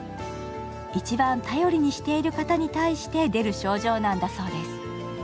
一番頼りにしている方に対して出る症状なんだそうです。